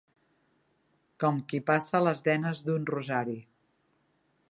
Com qui passa les denes d'un rosari.